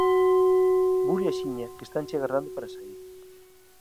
Bule axiña que estanche agardando para saír!